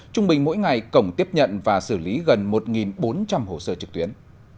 trung bình mỗi ngày cổng tiếp nhận và xử lý gần một bốn trăm linh hồ sơ trực tuyến